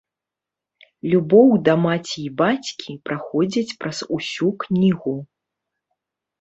Любоў да маці і бацькі праходзяць праз усю кнігу.